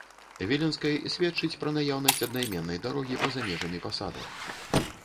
Віленскай сведчыць пра наяўнасць аднайменнай дарогі па-за межамі пасада.